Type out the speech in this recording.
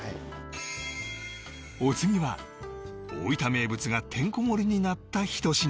お次は大分名物がてんこ盛りになったひと品